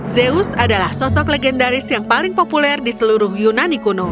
zeus adalah sosok legendaris yang paling populer di seluruh yunani kuno